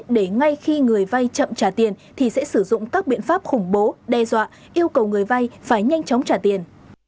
để ngay khi người vay chậm trả tiền thì sẽ sử dụng các biện pháp khủng bố đe dọa yêu cầu người vay phải nhanh chóng trả tiền